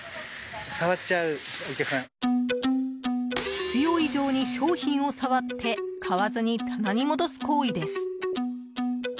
必要以上に商品を触って買わずに棚に戻す行為です。